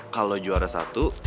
kalo juara satu